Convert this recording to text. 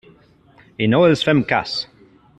I no els fem cas.